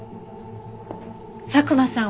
佐久間さん